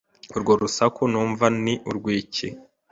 Urwo rusaku numva ni urw’iki